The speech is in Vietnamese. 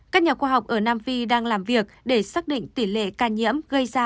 các nhà khoa học ở nam phi đang làm việc để xác định tỷ lệ ca nhiễm gây ra